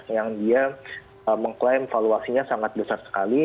yang dia mengklaim valuasinya sangat besar sekali